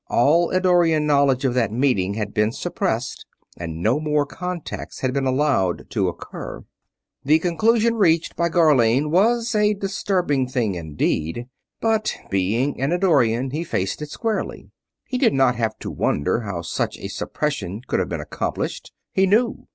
All Eddorian knowledge of that meeting had been suppressed and no more contacts had been allowed to occur. The conclusion reached by Gharlane was a disturbing thing indeed; but, being an Eddorian, he faced it squarely. He did not have to wonder how such a suppression could have been accomplished he knew.